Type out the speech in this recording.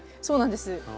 そうなんです。